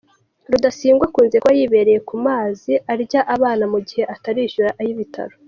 Rudasingwa akunze kuba yibereye kumazi arya abana mugihe atarishyura ay’ ibitaro